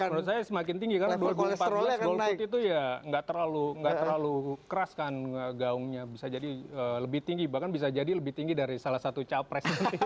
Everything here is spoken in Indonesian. menurut saya semakin tinggi karena dua ribu empat belas golput itu ya nggak terlalu keras kan gaungnya bisa jadi lebih tinggi bahkan bisa jadi lebih tinggi dari salah satu capres